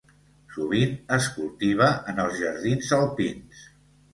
Sovint es cultiva en els jardins alpins.